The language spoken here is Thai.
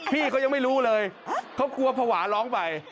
พี่เขายังไม่รู้เลยเขากลัวภาวะร้องไป